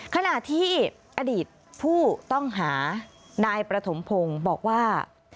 ขณะที่อดีตผู้ต้องหานายประถมพงศ์บอกว่า